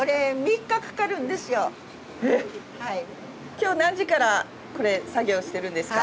今日何時からこれ作業してるんですか？